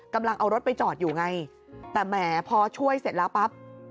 กำลังเอารถไปจอดอยู่ไงแต่แหมพอช่วยเสร็จแล้วปั๊บ